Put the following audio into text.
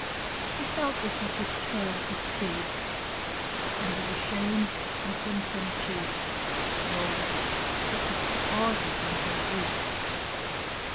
He felt it was his turn to speak, And, with a shamed and crimson cheek, Moaned "This is harder than Bezique!"